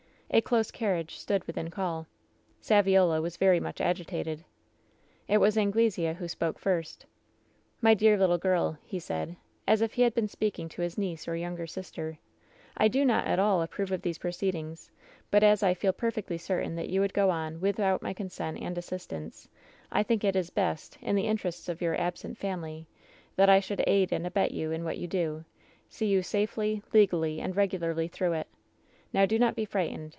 A close carriage stood within call. "Saviola was very much agitated. "It was Anglesea who spoke first. " ^My dear little girl,' he said, as if he had been speaking to his niece or younger sister, *I do not at all approve of these proceedings ; but as I feel perfectly cer tain that you would go on without my consent and assist ance, I think it is best, in the interests of your absent family, that I should aid and abet you in what you do — see you safely, legally and regularly through it. Now do not be frightened.